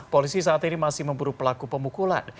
polisi saat ini masih memburu pelaku pemukulan